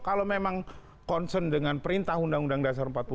kalau memang concern dengan perintah undang undang dasar empat puluh lima